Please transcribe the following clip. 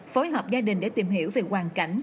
phối hợp gia đình để tìm hiểu về hoàn cảnh